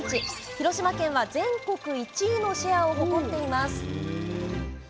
広島県は全国１位のシェアを誇っています。